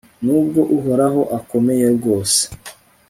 n'ubwo uhoraho akomeye bwose